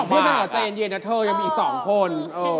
เพื่อจะหลอกใจเย็นแล้วเธอยังมีอีก๒คน